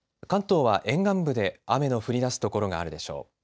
関東は沿岸部で雨の降りだす所があるでしょう。